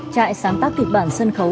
trại sáng tác kịch bản sân khấu